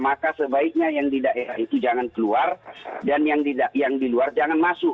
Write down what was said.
maka sebaiknya yang di daerah itu jangan keluar dan yang di luar jangan masuk